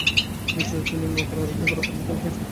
নিশ্চয়ই তিনি নৌকায় আরোহণ করার পূর্বে খুন হয়েছেন।